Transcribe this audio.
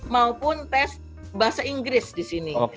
maupun tes bahasa inggris di sini